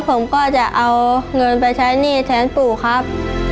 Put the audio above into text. ผมก็จะเอาเงินไปใช้หนี้แทนปู่ครับ